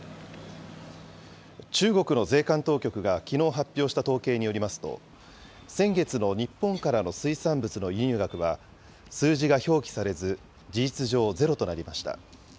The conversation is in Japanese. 中国の税関当局がきのう発表した統計によりますと、先月の日本からの水産物の輸入額は数字が表記されず、事実上ゼロとなりました。